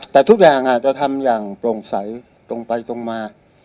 แต่ทุกอย่างอาจจะทำอย่างโปร่งใสตรงไปตรงมา